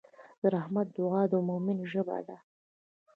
د رحمت دعا د مؤمن ژبه ده.